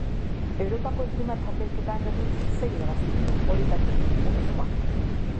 Europako Eskrima Txapelketan, berriz, sei irabazi ditu, horietatik bi urrezkoak.